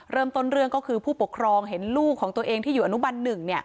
เริ่มต้นเรื่องก็คือผู้ปกครองเห็นลูกของตัวเองที่อยู่อนุบัน๑